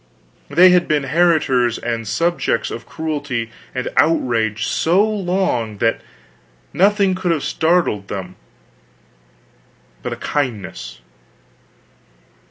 They had been heritors and subjects of cruelty and outrage so long that nothing could have startled them but a kindness.